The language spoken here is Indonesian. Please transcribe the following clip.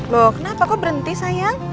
loh kenapa kok berhenti sayang